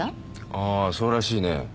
ああそうらしいね。